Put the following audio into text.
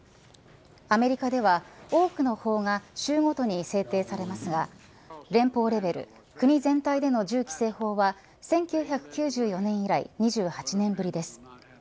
アメリカでは多くの法が州ごとに制定されてますが連邦レベル国全体での銃規制方は１９９４年以来２８年ぶりです。